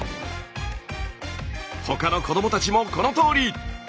他の子どもたちもこのとおり。